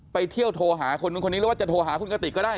ไปเที่ยวโทรหาคนนู้นคนนี้หรือว่าจะโทรหาคุณกติกก็ได้